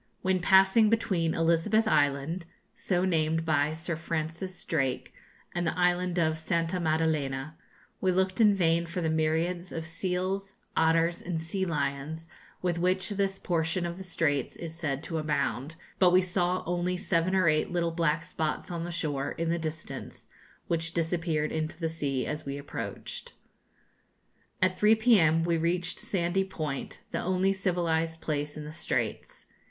When passing between Elizabeth Island, so named by Sir Francis Drake, and the island of Santa Madalena, we looked in vain for the myriads of seals, otters, and sea lions with which this portion of the Straits is said to abound; but we saw only seven or eight little black spots on the shore, in the distance, which disappeared into the sea as we approached. At 3 p.m. we reached Sandy Point, the only civilised place in the Straits.